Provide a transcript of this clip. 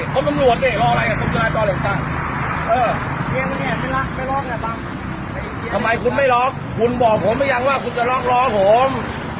ไม่รอดทำไมคุณไม่รอดคุณบอกผมกันยังว่าคุณจะรอดรอผม